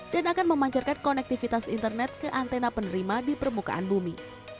dan akan memancarkan konektivitas internet ke antena penerima di permukaan bumi